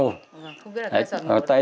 không biết là cây xoạn ngủ ở đây